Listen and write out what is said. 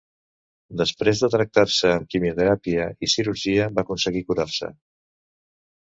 Després de tractar-se amb quimioteràpia i cirurgia va aconseguir curar-se.